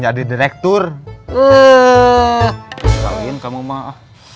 saya belum ada rencana kemana mana